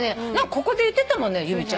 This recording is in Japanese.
ここで言ってたもんね由美ちゃん。